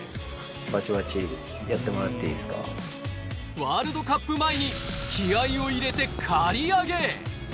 ワールドカップ前に気合いを入れて刈り上げ。